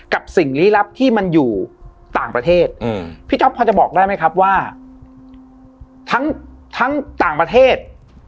กับสิ่งฤทธิ์ลับที่มันอยู่ต่างประเทศอืมพี่จ๊อบควรจะบอกได้ไหมครับว่าทั้งทั้งต่างประเทศ